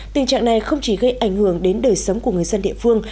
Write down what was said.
tình trạng này không chỉ gây ảnh hưởng đến đời sống của người dân địa phương